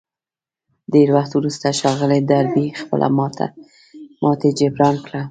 ډېر وخت وروسته ښاغلي ډاربي خپله ماتې جبران کړه.